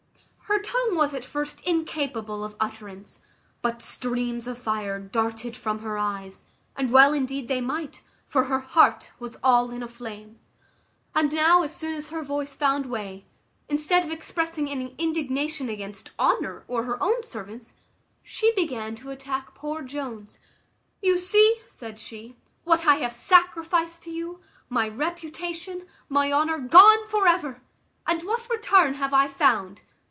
Her tongue was at first incapable of utterance; but streams of fire darted from her eyes, and well indeed they might, for her heart was all in a flame. And now as soon as her voice found way, instead of expressing any indignation against Honour or her own servants, she began to attack poor Jones. "You see," said she, "what I have sacrificed to you; my reputation, my honour gone for ever! And what return have I found?